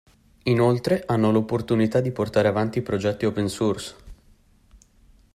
Inoltre, hanno l'opportunità di portare avanti progetti Open Source.